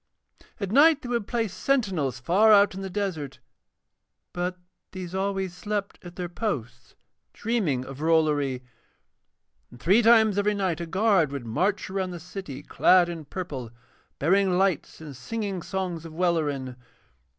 At night they would place sentinels far out in the desert, but these always slept at their posts dreaming of Rollory, and three times every night a guard would march around the city clad in purple, bearing lights and singing songs of Welleran.